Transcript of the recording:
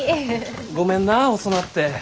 ごめんなぁ遅なって。